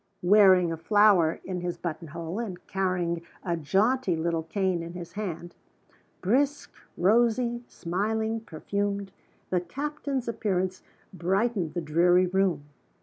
Wearing a flower in his buttonhole, and carrying a jaunty little cane in his hand brisk, rosy, smiling, perfumed the captain's appearance brightened the dreary room.